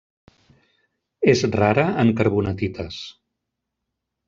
És rara en carbonatites.